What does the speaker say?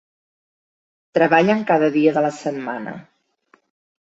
Treballen cada dia de la setmana.